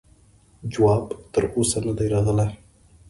جواب تر اوسه نه دی راغلی.